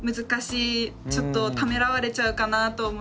ちょっとためらわれちゃうかなと思います。